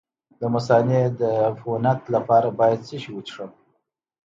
د مثانې د عفونت لپاره باید څه شی وڅښم؟